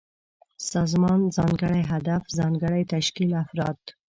سازمان: ځانګړی هدف، ځانګړی تشکيل ، افراد